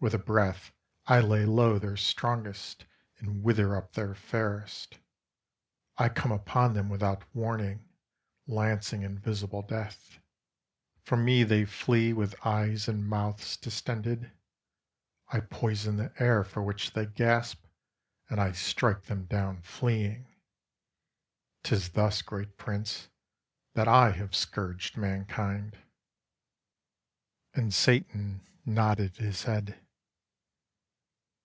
With a breath I lay low their strongest, and wither up their fairest. I come upon them without warning, lancing invisible death. From me they flee with eyes and mouths distended; I poison the air for which they gasp, and I strike them down fleeing. 'Tis thus, great Prince, that I have scourged mankind." And Satan nodded his head.